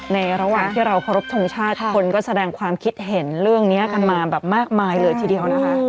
ระหว่างที่เราเคารพทรงชาติคนก็แสดงความคิดเห็นเรื่องนี้กันมาแบบมากมายเลยทีเดียวนะคะ